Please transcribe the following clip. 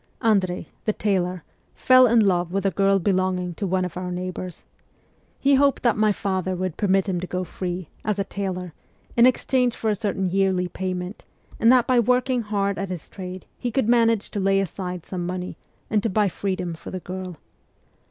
Andrei, the tailor, fell in love with a girl belonging to one of our neighbours. He hoped that my father would permit him to go free, as a tailor, in exchange for a certain yearly payment, and that by working hard at his trade he could manage to lay aside some money and to buy freedom for the girl.